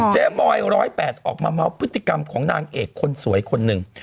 มอย๑๐๘ออกมาเมาส์พฤติกรรมของนางเอกคนสวยคนหนึ่ง